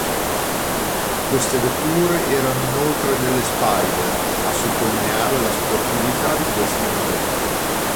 Queste vetture erano inoltre delle spider, a sottolineare la sportività di questi modelli.